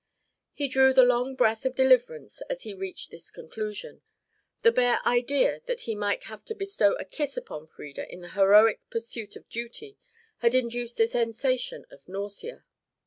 He drew the long breath of deliverance as he reached this conclusion; the bare idea that he might have to bestow a kiss upon Frieda in the heroic pursuit of duty had induced a sensation of nausea.